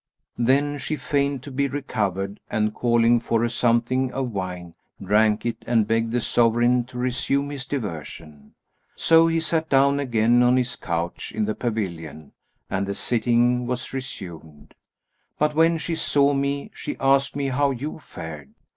Then she feigned to be recovered and calling for a something of wine, drank it, and begged the Sovereign to resume his diversion. So he sat down again on his couch in the pavilion and the sitting was resumed, but when she saw me, she asked me how you fared.